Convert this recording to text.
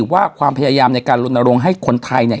ว่าความพยายามในการลงละลงให้คนไทย